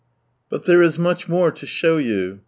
But there is much more to show you.